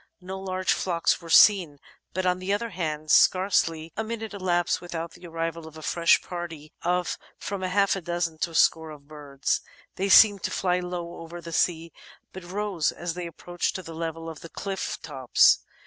No large flocks were seen ; VOL. II — 9 426 The Outline of Science but, on the other hand, scarcely a minute elapsed without the arrival of a fresh party of from half a dozen to a score of birds. They seemed to fly low over the sea, but rose as they approached to the level of the cliflF tops.